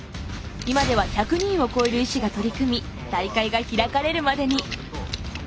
今では１００人を超える医師が取り組み大会が開かれるまでに。